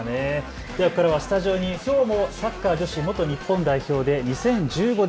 ここからはスタジオにきょうもサッカー女子元日本代表で２０１５年